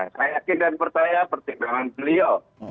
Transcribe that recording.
saya yakin dan percaya pertimbangan beliau